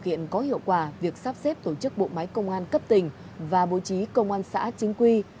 công an tỉnh nam định đã thực hiện có hiệu quả việc sắp xếp tổ chức bộ máy công an cấp tỉnh và bố trí công an xã chính quy